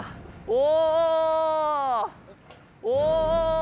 お！